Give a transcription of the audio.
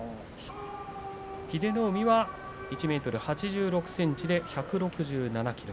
英乃海は１ｍ８６ｃｍで１６７ｋｇです。